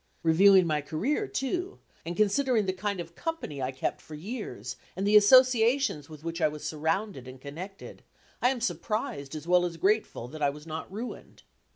Reviewing my career, too, and considering the kind of company I kept for years and the associations with which I was surrounded and connected, I am surprised as well as grateful that I was not ruined.